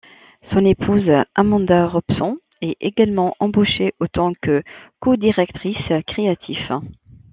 Son épouse, Amanda Robson, est également embauchée en tant que codirectrice créatif.